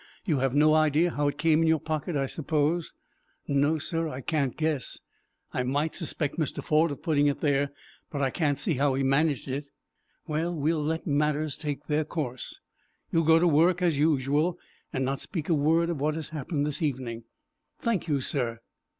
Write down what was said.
You have no idea how it came in your pocket, I suppose?" "No, sir, I can't guess. I might suspect Mr. Ford of putting it there, but I can't see how he managed it." "Well, we will let matters take their course. You will go to work as usual, and not speak a word of what has happened this evening." "Thank you, sir."